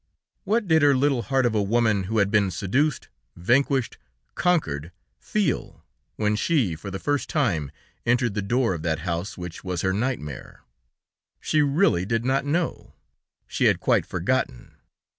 What did her little heart of a woman who had been seduced, vanquished, conquered, feel when she for the first time entered the door of that house which was her nightmare? She really did not know! She had quite forgotten.